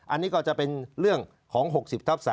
อันนี้ก็จะเป็นเรื่องของ๖๐ทับ๓